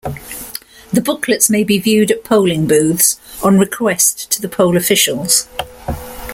The booklets may be viewed at polling booths on request to the poll officials.